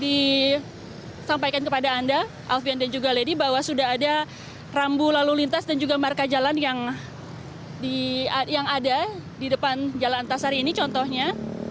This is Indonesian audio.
disampaikan kepada anda alfian dan juga lady bahwa sudah ada rambu lalu lintas dan juga marka jalan yang ada di depan jalan antasari ini contohnya